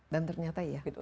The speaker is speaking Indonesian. dan ternyata ya